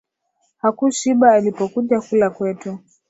Hakushiba alipokuja kula kwetu